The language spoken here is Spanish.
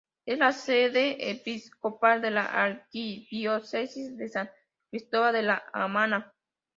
Es la Sede Episcopal de la Arquidiócesis de San Cristóbal de La Habana.